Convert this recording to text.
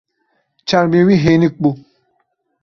Çermê wî hênik bû.